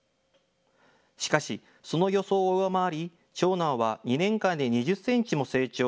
しかし、その予想を上回り長男は２年間で２０センチも成長。